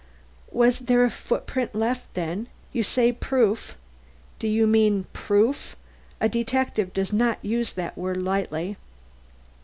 "Was there a footprint left, then? You say proof. Do you mean proof? A detective does not use that word lightly."